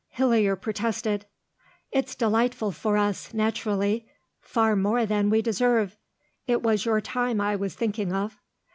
Hillier protested. "It's delightful for us, naturally far more than we deserve. It was your time I was thinking of."